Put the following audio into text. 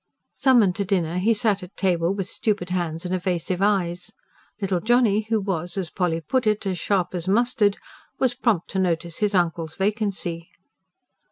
Summoned to dinner, he sat at table with stupid hands and evasive eyes. Little Johnny, who was, as Polly put it, "as sharp as mustard," was prompt to note his uncle's vacancy.